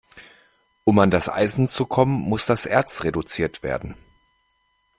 Um an das Eisen zu kommen, muss das Erz reduziert werden.